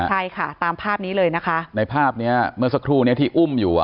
ใช่ค่ะตามภาพนี้เลยนะคะในภาพเนี้ยเมื่อสักครู่เนี้ยที่อุ้มอยู่อ่ะ